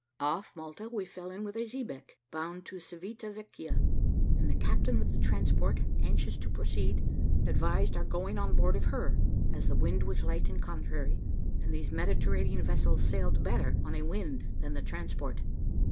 Off Malta we fell in with a xebeque, bound to Civita Vecchia, and the captain of the transport, anxious to proceed, advised our going on board of her, as the wind was light and contrary, and these Mediterranean vessels sailed better on a wind than the transport.